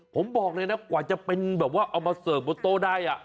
ผมบอกเลยนะกว่าจะเป็นแบบว่าเอามาเสิร์ฟบนโต๊ะได้